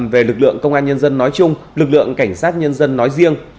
về lực lượng công an nhân dân nói chung lực lượng cảnh sát nhân dân nói riêng